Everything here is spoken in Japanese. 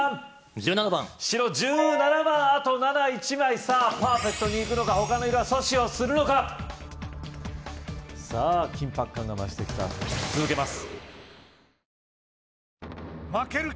１７番白１７番あと７１枚さぁパーフェクトにいくのかほかの色が阻止をするのかさぁ緊迫感が増してきた続けます